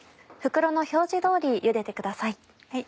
袋の表示通りゆでてください。